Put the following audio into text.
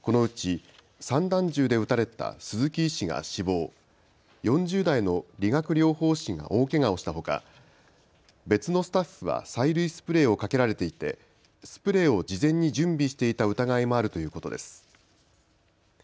このうち、散弾銃で撃たれた鈴木医師が死亡、４０代の理学療法士が大けがをしたほか別のスタッフは催涙スプレーをかけられていてスプレーを事前に準備していた疑いもあるということです。